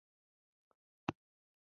غرمې چي اور بلېدنگ ګرمي جوړه که